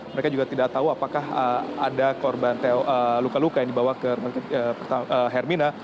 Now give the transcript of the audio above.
mereka juga tidak tahu apakah ada korban luka luka yang dibawa ke hermina